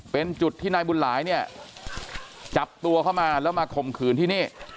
เป็นจุดที่นายบุญหลายเนี่ยจับตัวเข้ามาแล้วมาข่มขืนที่นี่